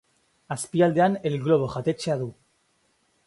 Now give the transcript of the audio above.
Azpialdean El Globo jatetxea du.